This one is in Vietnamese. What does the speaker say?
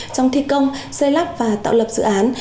trong thi công xây lắp và tạo lập dự án